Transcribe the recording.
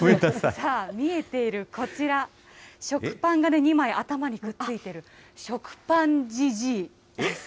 さあ、見えているこちら、食パンが２枚、頭にくっついてる、食パンじじいです。